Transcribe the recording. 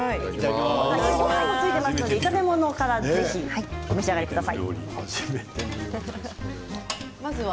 ごはんもついていますので炒め物からぜひ召し上がってください。